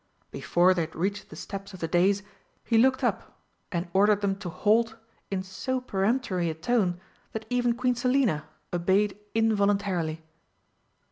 Before they had reached the steps of the dais, he looked up, and ordered them to halt in so peremptory a tone that even Queen Selina obeyed involuntarily.